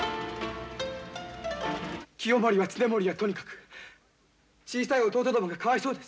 清盛や経盛はとにかく小さい弟殿がかわいそうです。